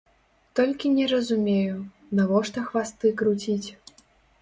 Толькі не разумею, навошта хвасты круціць?